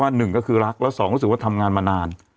ทำงานครบ๒๐ปีได้เงินชดเฉยเลิกจ้างไม่น้อยกว่า๔๐๐วัน